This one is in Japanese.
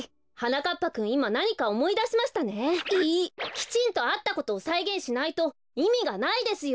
きちんとあったことをさいげんしないといみがないですよ！